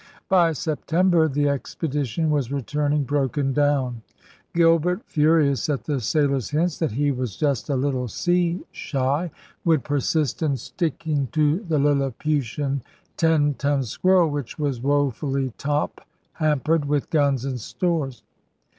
By September the expedition was returning broken down. Gilbert, furious at the sailors' hints that he was just a little sea shy, would persist in sticking X4 210 ELIZABETHAN SEA DOGS to the Lilliputian ten ton Squirrel, which was woe fully top hampered with guns and stores.